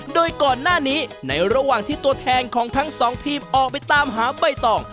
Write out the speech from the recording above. โดยก่อนหน้านี้ในระหว่างที่ตัวแทนของทั้งสองทีมออกไปตามหาใบตอง